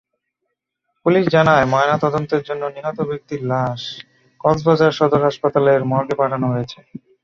Police জানায়, ময়নাতদন্তের জন্য নিহত ব্যক্তির লাশ কক্সবাজার সদর হাসপাতালের মর্গে পাঠানো হয়েছে।